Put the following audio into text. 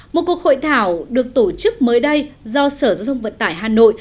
một cuộc hội thảo được tổ chức mới đây do sở giao thông vận tải hà nội